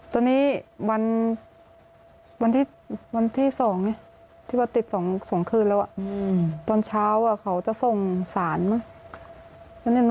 ตอนนี้วันวันที่๒ที่ติดฟงคืนแล้วตอนเช้าเขาจะส่งสานมา